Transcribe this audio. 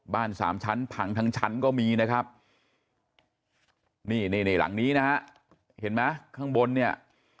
สามชั้นผังทั้งชั้นก็มีนะครับนี่นี่หลังนี้นะฮะเห็นไหมข้างบนเนี่ย